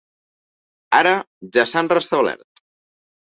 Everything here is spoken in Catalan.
Ara ja s’han restablert.